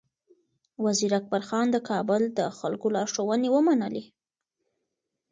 وزیر اکبر خان د کابل د خلکو لارښوونې ومنلې.